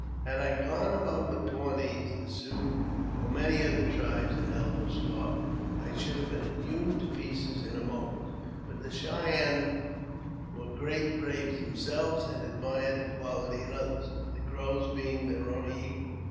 Had I gone among the Pawnees, the Siouxs, or many other tribes, and held this talk, I should have been hewn to pieces in a moment ; but the Cheyennes were great braves themselves, and admired the quality in others, the Crows being their only equals.